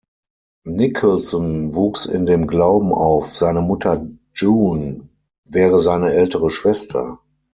Nicholson wuchs in dem Glauben auf, seine Mutter June wäre seine ältere Schwester.